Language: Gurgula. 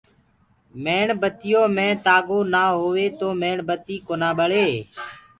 ميڻ بتيو مينٚ تآگو نآ هوئي تو ميڻ بتي ڪونآ ٻݪي۔